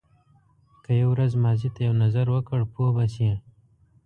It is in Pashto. که یو ورځ ماضي ته یو نظر وکړ پوه به شې.